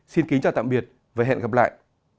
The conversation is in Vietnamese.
xin kính chào tạm biệt và hẹn gặp lại